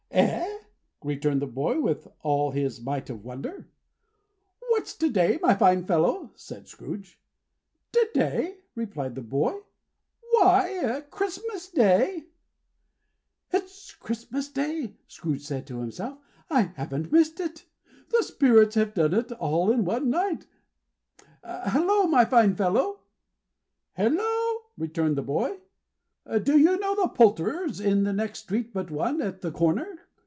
"Eh?" returned the boy, with all his might of wonder. "What's to day, my fine fellow?" said Scrooge. "To day!" replied the boy. "Why, CHRISTMAS DAY." "It's Christmas Day!" said Scrooge to himself. "I haven't missed it. The Spirits have done it all in one night. Hallo, my fine fellow!" "Hallo!" returned the boy. "Do you know the Poulterer's, in the next street but one, at the corner?"